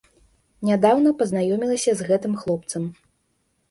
Нядаўна пазнаёмілася з гэтым хлопцам.